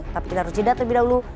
tapi kita harus jeda terlebih dahulu